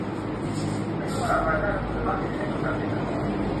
เพื่อยกระดับรายได้และคุณภาพชีวิตให้กับเกษตรกร